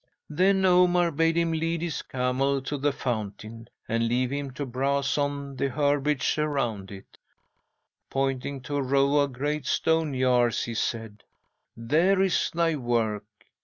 "'Then Omar bade him lead his camel to the fountain, and leave him to browse on the herbage around it. Pointing to a row of great stone jars, he said: "There is thy work.